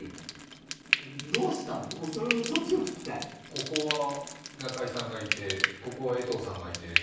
ここは中居さんがいて、ここは江藤さんがいて。